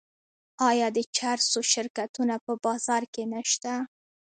آیا د چرسو شرکتونه په بازار کې نشته؟